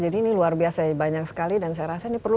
jadi ini luar biasa banyak sekali dan saya rasa ini perlu